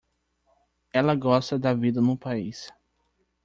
Ela gosta da vida no país